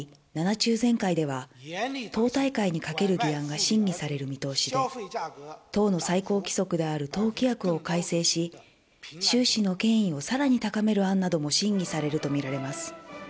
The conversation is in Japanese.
７中全会では、党大会にかける議案が審議される見通しで、党の最高規則である党規約を改正し、シュウ氏の権威をさらに高める案なども審議されるとみられます。